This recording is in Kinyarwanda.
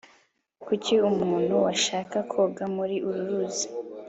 kuki umuntu yashaka koga muri uru ruzi